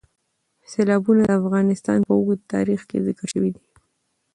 سیلابونه د افغانستان په اوږده تاریخ کې ذکر شوي دي.